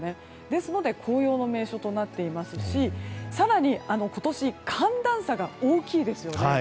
ですので紅葉の名所となっていますし更に、今年寒暖差が大きいですよね。